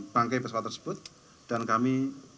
bangkai pesawat tersebut dan kami